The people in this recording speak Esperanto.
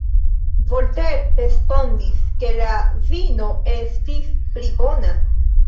Voltaire respondis, ke la vino estis pli bona.